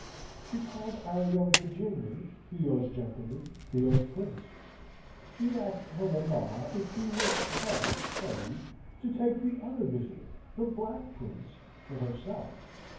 She called our young Virginian Theo's gentleman, Theo's prince. She asked her mamma if she wished her, Hetty, to take the other visitor, the black prince, for herself?